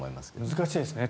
難しいですね。